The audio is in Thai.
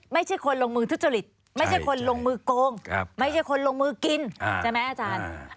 ไม่ใช่คนลงมือทุจริตไม่ใช่คนลงมือโกงไม่ใช่คนลงมือกินใช่ไหมอาจารย์